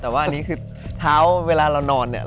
แต่ว่าอันนี้คือเท้าเวลาเรานอนเนี่ย